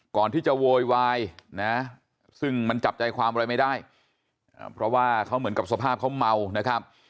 โวยวายนะซึ่งมันจับใจความอะไรไม่ได้เพราะว่าเขาเหมือนกับสภาพเขาเมานะครับ